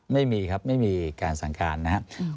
ไม่มีครับไม่มีการสั่งการนะครับ